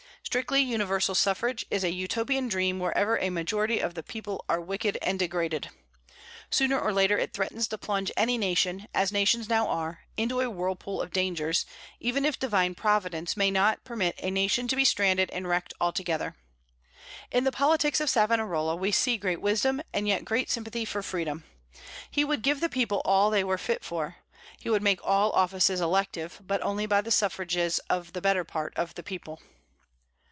Strictly universal suffrage is a Utopian dream wherever a majority of the people are wicked and degraded. Sooner or later it threatens to plunge any nation, as nations now are, into a whirlpool of dangers, even if Divine Providence may not permit a nation to be stranded and wrecked altogether. In the politics of Savonarola we see great wisdom, and yet great sympathy for freedom. He would give the people all that they were fit for. He would make all offices elective, but only by the suffrages of the better part of the people.